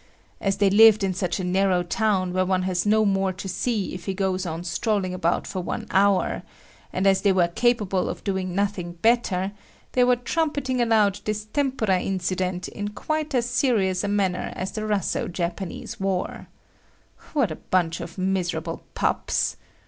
As they lived in such a narrow town where one has no more to see if he goes on strolling about for one hour, and as they were capable of doing nothing better, they were trumpeting aloud this tempura incident in quite as serious a manner as the Russo Japanese war. What a bunch of miserable pups!